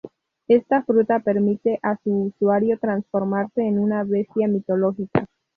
Esta fruta permite a su usuario transformarse en una bestia mitológica.